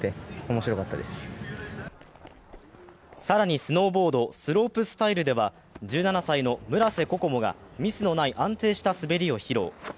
更にスノーボードスロープスタイルでは、１７歳の村瀬心椛がミスのない安定した滑りを披露。